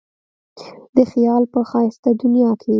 د خیال په ښایسته دنیا کې.